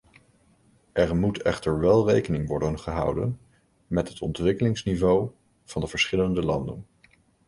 Er moet echter wel rekening worden gehouden met het ontwikkelingsniveau van de verschillende landen.